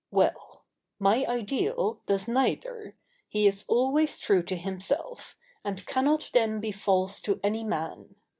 Well! my ideal does neither. He is always true to himself, and "cannot then be false to any man."